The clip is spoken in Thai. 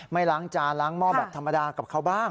ล้างจานล้างหม้อแบบธรรมดากับเขาบ้าง